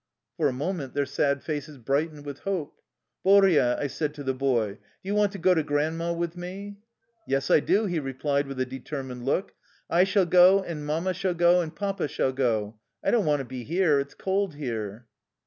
For a moment their sad faces brightened with hope. " Boria/' I said to the boy, " do you want to go to Grandma with me? '' "Yes, I do,'' he replied with a determined look. " I shall go, and Mamma shall go, and Papa shall go. I don't want to be here ; it 's cold here."